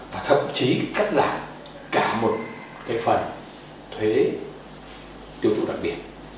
và thậm chí cắt giảm cả một phần thuế tiêu thụ đặc biệt